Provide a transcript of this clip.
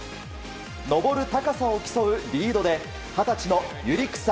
登る高さを競うリードで二十歳の百合草